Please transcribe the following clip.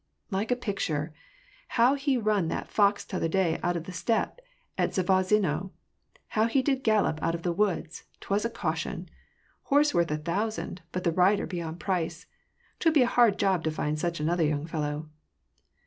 " Like a picture ! How he run that fox Vother day out of the steppe at Zavarzino ! How he did gallop out of the woods, 'twas a caution! Horse worth a thousand, but the rider beyond price ! 'Twould be a hard job to find such another young fellow."